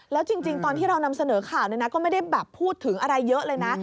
แล้วจริงตอนที่เรานำเสนอข่าวก็ไม่ได้แบบพูดถึงอะไรเยอะเลยนะ